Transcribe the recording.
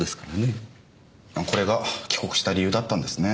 これが帰国した理由だったんですね。